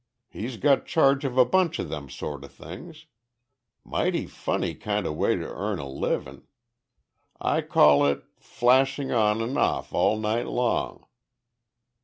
He's got charge of a bunch of them sort o' things. Mighty funny kinder way to earn a livin', Ah calls it flashing on an' off all night long...."